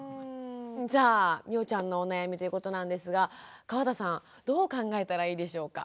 じゃあみおちゃんのお悩みということなんですが川田さんどう考えたらいいでしょうか？